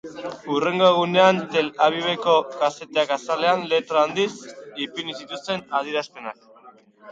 Hurrengo egunean Tel Aviveko kazetek azalean, letra handiz, ipini zituzten adierazpenak.